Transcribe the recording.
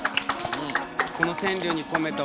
この川柳に込めた思いは？